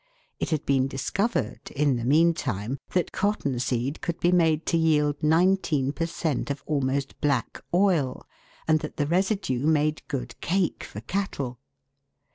It had been discovered, in the meantime, that cotton seed could be made to yield nineteen per cent, of almost black oil, and that the residue made good " cake " for cattle.